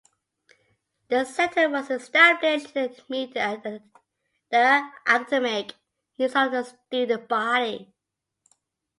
The center was established to meet the academic needs of the student body.